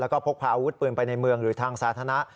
แล้วก็พกพาอาวุธปืนไปในเมืองหรือทางสาธารณะ